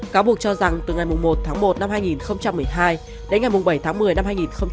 cáo buộc cho rằng từ ngày một tháng một năm hai nghìn một mươi hai đến ngày bảy tháng một mươi năm hai nghìn một mươi tám